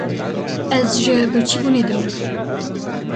Ez ji birçîbûnê dimirim!